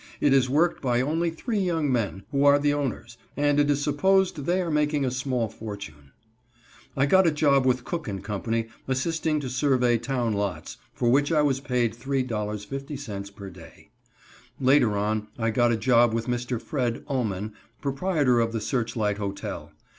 It is worked by only three young men, who are the owners, and it is supposed they are making a small fortune. I got a job with Cook & Co. assisting to survey town lots, for which I was paid $3.50 per day. Later on I got a job with Mr. Fred. Ullman, proprietor of the Searchlight Hotel.